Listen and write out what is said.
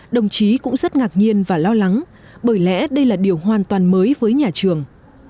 đồng chí cũng rất ngạc nhiên và lo lắng bởi lẽ đây là điều hoàn toàn mới với nhà trường